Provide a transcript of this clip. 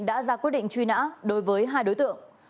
đã ra quyết định truy nã đối với hai đối tượng